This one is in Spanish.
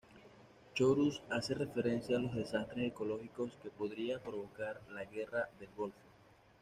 Chorus hace referencia a los desastres ecológicos que podría provocar la Guerra del Golfo.